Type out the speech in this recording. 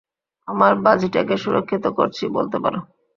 আমার বাজিটাকে সুরক্ষিত করছি, বলতে পারো।